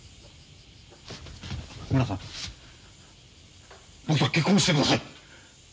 ムラさん僕と結婚してください！